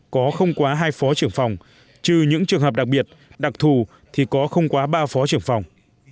có không quá hai phó trưởng phòng trừ những trường hợp đặc biệt đặc thù thì có không quá ba phó trưởng phòng